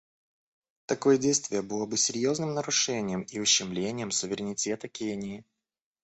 Такое действие было бы серьезным нарушением и ущемлением суверенитета Кении.